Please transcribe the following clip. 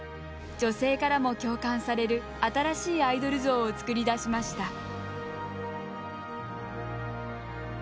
女性からも共感される新しいアイドル像を作り出しました。